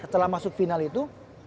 setelah masuk final itu